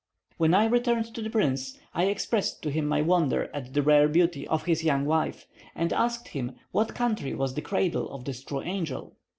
When I returned to the prince, I expressed to him my wonder at the rare beauty of his young wife, and asked him what country was the cradle of this true angel.